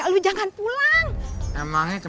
nah udah tanya nggaka